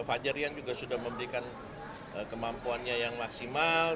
fajar rian juga sudah memberikan kemampuannya yang maksimal